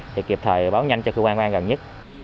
thì kịp thời báo nhanh cho cơ quan quan gần nhất